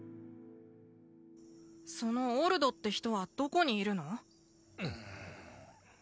そのオルドって人はどこにいるの？